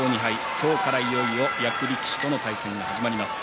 今日からいよいよ役力士との対戦が始まります。